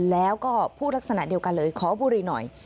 แล้วก็พูดลักษณะเดียวกันเลยขอบุรีหน่อย